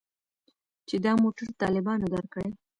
چې دا موټر طالبانو درکړى.